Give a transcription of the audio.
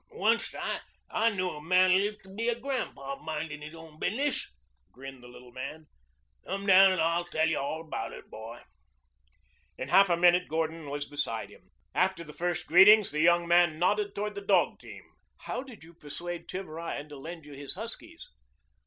"Onct I knew a man lived to be a grandpa minding his own business," grinned the little man. "Come down and I'll tell you all about it, boy." In half a minute Gordon was beside him. After the first greetings the young man nodded toward the dog team. "How did you persuade Tim Ryan to lend you his huskies?"